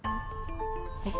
えっ？